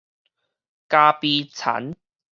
咖啡田